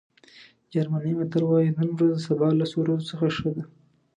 جرمني متل وایي نن ورځ د سبا لسو ورځو څخه ښه ده.